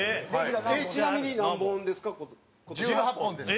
ちなみに何本ですか？